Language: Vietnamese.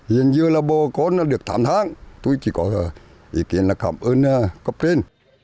hiện giờ là bò con được thảm tháng tôi chỉ có ý kiến là cảm ơn cấp tiền